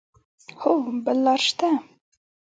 هو، بل لار شته